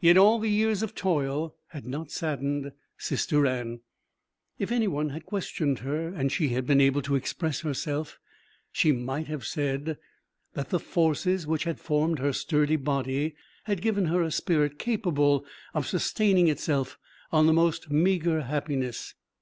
Yet all the years of toil had not saddened Sister Anne. If any one had questioned her and she had been able to express herself, she might have said that the forces which had formed her sturdy body had given her also a spirit capable of sustaining itself on the most meagre happiness.